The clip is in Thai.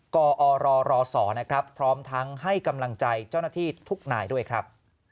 กอรรศนะครับพร้อมทั้งให้กำลังใจเจ้าหน้าที่ทุกนายด้วยครับ